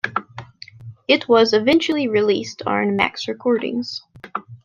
It was eventually released on Max Recordings.